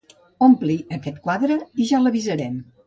Ompli aquest quadre i ja l'avisarem.